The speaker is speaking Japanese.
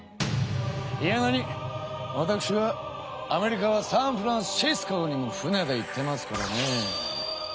いやなにわたくしはアメリカはサンフランシスコにも船で行ってますからね。